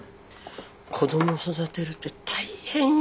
子供育てるって大変よ。